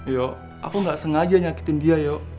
yo aku gak sengaja nyakitin dia yo